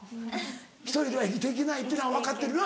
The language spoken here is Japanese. １人では生きていけないっていうのは分かってるな？